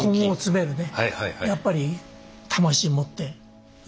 やっぱり魂持って。